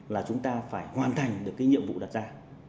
là chúng ta phải hoàn thành được cái nhiệm vụ đặt ra